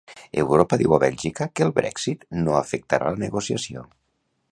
Europa diu a Bèlgica que el Brèxit no afectarà la negociació.